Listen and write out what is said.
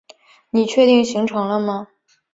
你确定行程了吗？